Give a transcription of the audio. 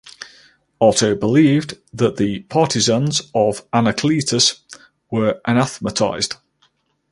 Otto believed that the partisans of Anacletus were anathematized.